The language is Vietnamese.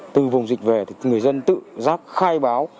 từ vùng dịch về thì người dân tự giác khai báo